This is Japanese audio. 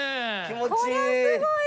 気持ちいい！